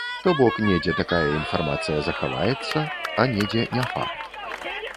То бок недзе такая інфармацыя захаваецца, а недзе не факт.